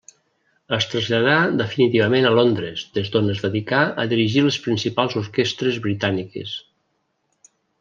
Es traslladà definitivament a Londres, des d'on es dedicà a dirigir les principals orquestres britàniques.